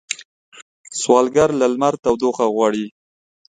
سوالګر له لمر تودوخه غواړي